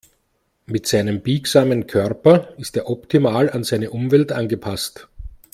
Mit seinem biegsamen Körper ist er optimal an seine Umwelt angepasst.